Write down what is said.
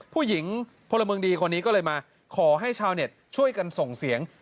ผู้หญิงพลเมืองดีคนนี้ก็เลยมาขอให้ชาวเน็ตช่วยกันส่งเสียง